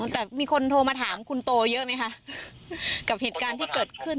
แต่มีคนโทรมาถามคุณโตเยอะไหมคะกับเหตุการณ์ที่เกิดขึ้น